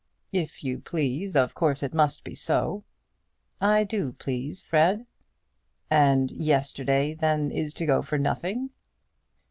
"If you please, of course it must be so." "I do please, Fred." "And yesterday, then, is to go for nothing."